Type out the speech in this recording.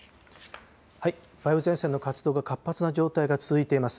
梅雨前線の活動が活発な状態が続いています。